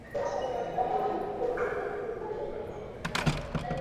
na utawala wa sheria na utawala wa haki